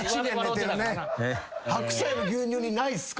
白菜の牛乳煮ないっすか？